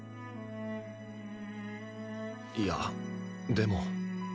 いやでも。